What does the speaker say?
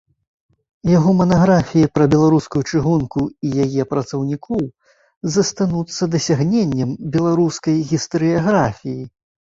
Яго манаграфіі пра беларускую чыгунку і яе працаўнікоў застануцца дасягненнем беларускай гістарыяграфіі.